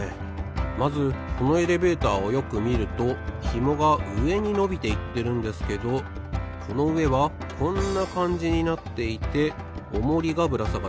まずこのエレベーターをよくみるとひもがうえにのびていってるんですけどこのうえはこんなかんじになっていてオモリがぶらさがってます。